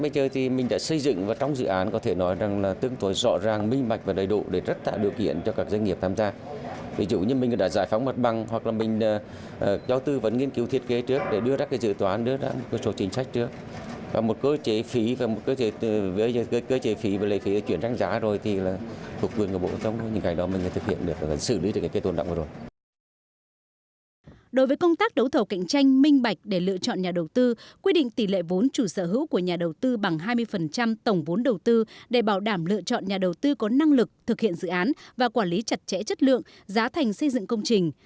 đối với công tác đấu thầu cạnh tranh minh bạch để lựa chọn nhà đầu tư quy định tỷ lệ vốn chủ sở hữu của nhà đầu tư bằng hai mươi tổng vốn đầu tư để bảo đảm lựa chọn nhà đầu tư có năng lực thực hiện dự án và quản lý chặt chẽ chất lượng giá thành xây dựng công trình